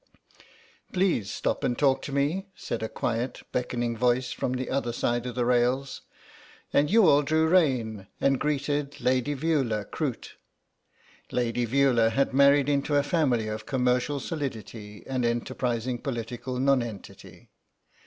"Please stop and talk to me," said a quiet beckoning voice from the other side of the rails, and Youghal drew rein and greeted Lady Veula Croot. Lady Veula had married into a family of commercial solidity and enterprising political nonentity.